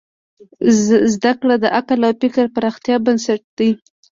زدهکړه د عقل او فکر پراختیا بنسټ دی.